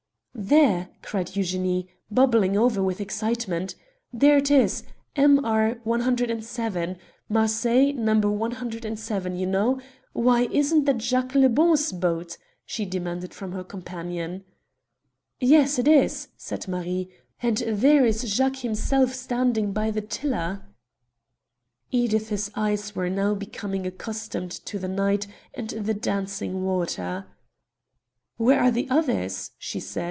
"There!" cried Eugenie, bubbling over with excitement. "There it is! 'M.R. 107,' Marseilles, No. 107, you know. Why, isn't that Jacques le Bon's boat?" she demanded from her companion. "Yes, it is," said Marie; "and there is Jacques himself standing by the tiller." Edith's eyes were now becoming accustomed to the night and the dancing water. "Where are the others?" she said.